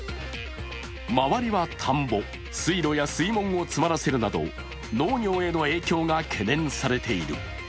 周りは田んぼ、水路や水門を詰まらせるなど農業への影響が懸念されている。